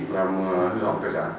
làm hư hỏng tài sản